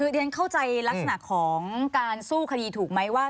เรียนเข้าใจลักษณะของการสู้คดีถูกไหมว่า